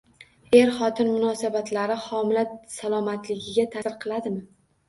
Er-xotin munosabatlari homila salomatligiga ta’sir qiladimi?